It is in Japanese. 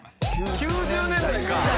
９０年代か。